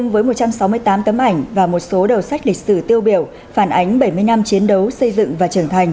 với một trăm sáu mươi tám tấm ảnh và một số đầu sách lịch sử tiêu biểu phản ánh bảy mươi năm chiến đấu xây dựng và trưởng thành